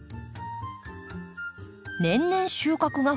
年々収穫が増え